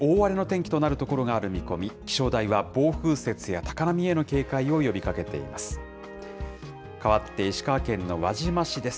気象台は、暴風雪や高波への警戒を呼びかけています。